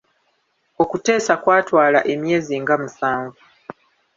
Okuteesa kwatwala emyezi nga musanvu.